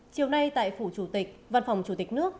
chiều nay tại phủ chủ tịch văn phòng chủ tịch nước